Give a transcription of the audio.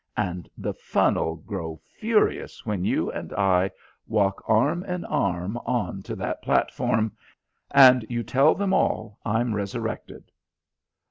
And the fun 'ull grow furious when you and I walk arm in arm on to that platform, and you tell them all I'm resurrected."